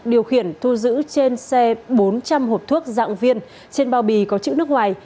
điều khiển thu giữ trên xe bốn trăm linh hộp thuốc dạng viên trên bao bì có chữ nước ngoài